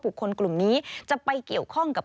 คนกลุ่มนี้จะไปเกี่ยวข้องกับ